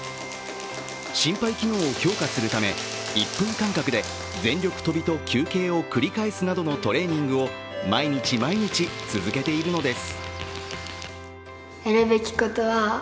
心肺機能を強化するため１分間隔で全力跳びと休憩を繰り返すなどのトレーニングを毎日毎日続けているのです。